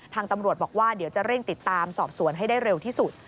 ทางตำรวจบอกว่าเดี๋ยวจะเร่งติดตามสอบสวนให้ได้เร็วที่สุด